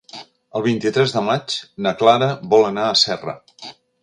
El vint-i-tres de maig na Clara vol anar a Serra.